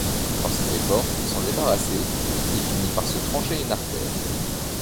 Dans ses efforts pour s'en débarrasser, il finit par se trancher une artère.